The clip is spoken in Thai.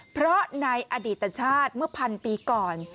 เพราะในอดีตชาติเมื่อพันปีก่อน